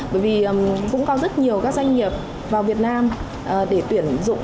bởi vì cũng có rất nhiều các doanh nghiệp vào việt nam để tuyển dụng